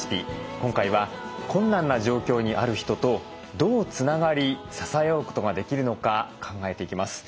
今回は困難な状況にある人とどうつながり支えあうことができるのか考えていきます。